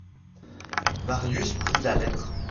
Marius prit la lettre.